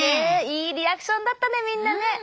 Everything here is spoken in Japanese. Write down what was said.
いいリアクションだったねみんなね！